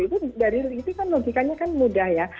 itu dari itu kan logikanya kan mudah ya